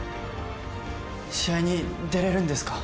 試合に出れるんですか？